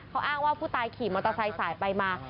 เขาอ้างว่าผู้ตายขี่มอเตอร์ไซค์สายไปมา